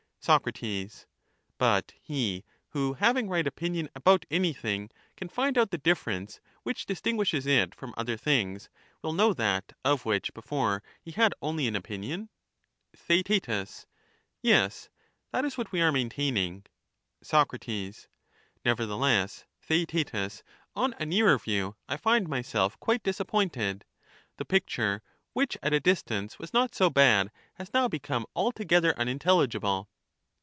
Soc, But he, who having right opinion about anything, can find out the difference which distinguishes it from other things will know that of which before he had only an opitiion. Theaet Yes ; that is what we are maintaining. Soc. Nevertheless, Theaetetus, on a nearer view, I find myself quite disappointed ; the picture, which at a dis tance was not so bad, has now become altogether unin telligible.